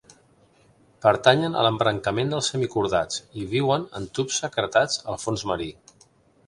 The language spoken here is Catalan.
Pertanyen a l'embrancament dels hemicordats, i viuen en tubs secretats al fons marí.